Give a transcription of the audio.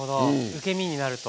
受け身になると。